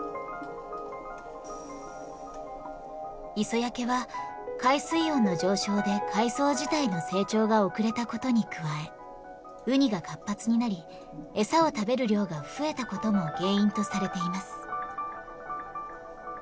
磯焼けは海水温の上昇で海藻自体の成長が遅れたことに加えウニが活発になり餌を食べる量が増えたことも原因とされています。